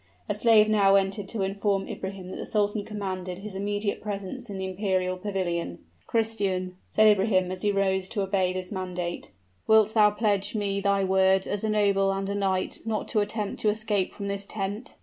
A slave now entered to inform Ibrahim that the sultan commanded his immediate presence in the imperial pavilion. "Christian," said Ibrahim, as he rose to obey this mandate, "wilt thou pledge me thy word, as a noble and a knight, not to attempt to escape from this tent?"